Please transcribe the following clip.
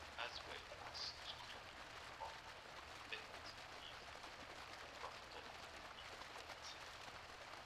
As well as Scunthorpe, Bett lived in Kirton in Lindsey.